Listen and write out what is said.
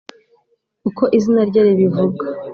uko izina rye ribivuga,